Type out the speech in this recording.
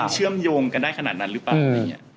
มันยังเชื่อมโยงกันได้ขนาดนั้นหรือเปล่า